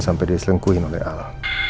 sampai diselengkuin oleh al